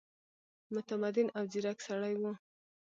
متمدن او ځیرک سړی وو.